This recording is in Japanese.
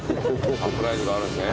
サプライズがあるんですね。